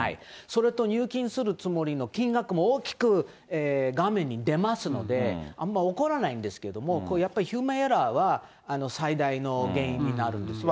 それと入金するつもりの金額も大きく画面に出ますので、あんま起こらないんですけど、やっぱりヒューマンエラーは最大の原因になるんですね。